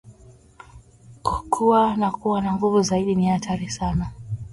kukua na kuwa na nguvu zaidi na hatari sana